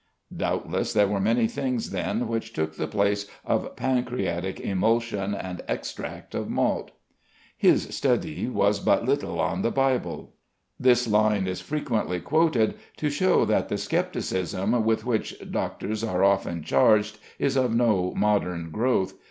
Doubtless there were many things then which took the place of pancreatic emulsion and extract of malt. "His studie was but litel on the Bible." This line is frequently quoted to show that the scepticism with which doctors are often charged is of no modern growth.